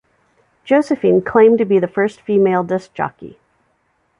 Josephine claimed to be the first female disk jockey.